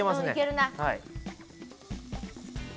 はい。